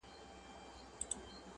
څو سړی کمزوری معلوم نسي